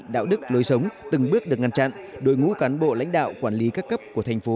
đạo đức lối sống từng bước được ngăn chặn đội ngũ cán bộ lãnh đạo quản lý các cấp của thành phố